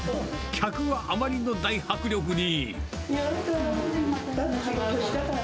客はあまりの大迫力に。